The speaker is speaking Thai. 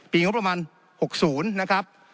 งบประมาณ๖๐นะครับ